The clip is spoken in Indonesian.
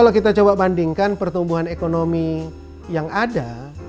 kalau kita coba bandingkan pertumbuhan ekonomi yang ada